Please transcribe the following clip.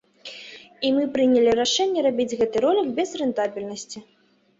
І мы прынялі рашэнне рабіць гэты ролік без рэнтабельнасці.